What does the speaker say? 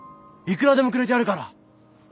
いくらでもくれてやるから！